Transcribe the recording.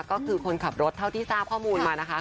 ก็คือคนขับรถเท่าที่ทราบข้อมูลมานะคะ